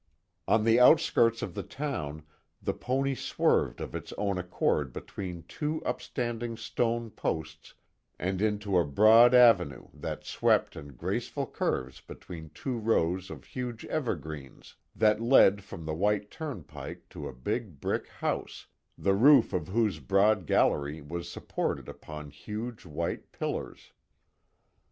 On the outskirts of the town the pony swerved of its own accord between two upstanding stone posts and into a broad avenue that swept in graceful curves between two rows of huge evergreens that led from the white turnpike to a big brick house, the roof of whose broad gallery was supported upon huge white pillars.